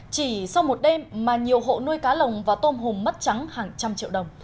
chỉ sau một đêm mà nhiều hộ nuôi cá lồng và tôm hùm mất trắng hàng trăm triệu đồng